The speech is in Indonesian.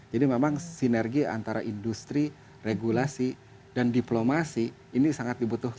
jadi memang sinergi antara industri regulasi dan diplomasi ini sangat dibutuhkan